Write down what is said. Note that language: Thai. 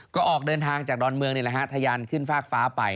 ก็ออกเดินทางจากดอนเมืองทยันขึ้นฟากฟ้าไป